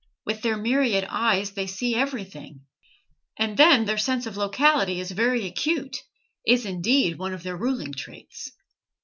With their myriad eyes they see everything; and then, their sense of locality is very acute, is, indeed, one of their ruling traits.